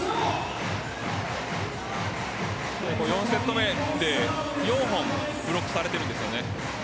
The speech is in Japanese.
４セット目で４本ブロックされているんですよね。